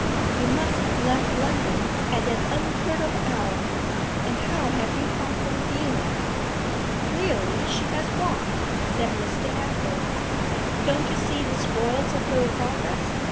'You must have left London at an unheard of hour; and how have yen come from Dealing?' 'Clearly she has walked,' said Mr. Athel. 'Don't you see the spoils of her progress?'